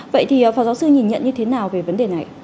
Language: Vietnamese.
vậy thì phó giáo sư nhìn nhận như thế nào về vấn đề này